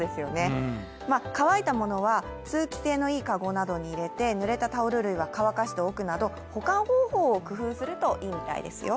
乾いたものは通気性のいいかごなどに入れて、ぬれたタオル類は乾かしておくなど、保管方法を工夫するといいみたいですよ。